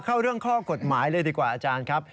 เข้าเรื่องข้อกฎหมายเลยดีกว่าอาจารย์ครับ